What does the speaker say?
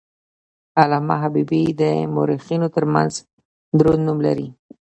علامه حبیبي د مورخینو ترمنځ دروند نوم لري.